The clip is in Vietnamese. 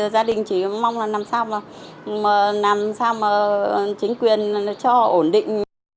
gia đình chỉ mong là làm sao mà chính quyền